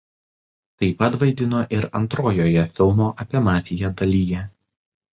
Taip pat vaidino ir antrojoje filmo apie mafiją dalyje.